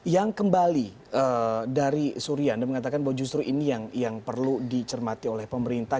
yang kembali dari suria anda mengatakan bahwa justru ini yang perlu dicermati oleh pemerintah